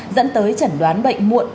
dẫn tới chẩn đoán bệnh muộn